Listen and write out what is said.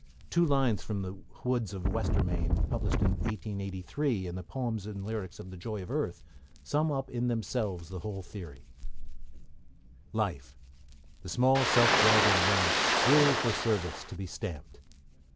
Two lines from The Woods of Westermain, published in 1883 in the Poems and Lyrics of the Joy of Earth, sum up in themselves the whole theory: Life, the small self dragon ramped, Thrill for service to be stamped.